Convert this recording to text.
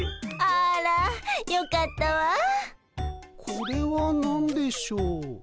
これは何でしょう？